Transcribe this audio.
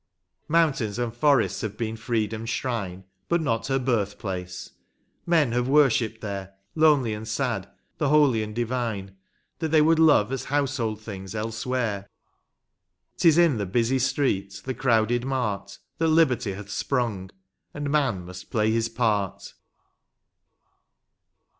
Mountains and forests have been Freedom s shrine, But not her birth place; men have worshipped there. Lonely and sad, the holy and divine. That they would love as household things else where ; 'T is in the busy street, the crowded mart. That liberty hath sprung, and man must play his part.